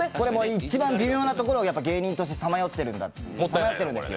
一番微妙なところを芸人としてさまよってるんですよ。